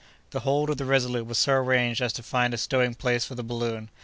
The hold of the Resolute was so arranged as to find a stowing place for the balloon.